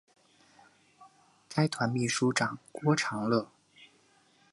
该团秘书长郭长乐。